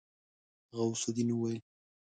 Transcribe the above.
غوث الدين وويل.